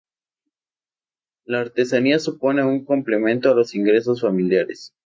La artesanía supone un complemento a los ingresos familiares.